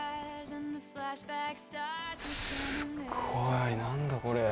すっごい何だこれ。